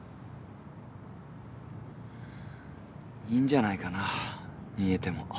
いいんじゃないかな逃げても。